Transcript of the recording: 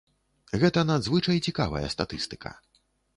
Гэта надзвычай цікавая статыстыка.